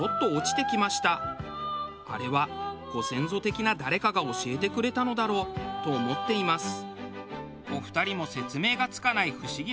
あれはご先祖的な誰かが教えてくれたのだろうと思っています。